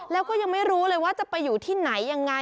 แล้วก็ยังไม่รู้เลยว่าจะไปอยู่ที่ไหนยังไง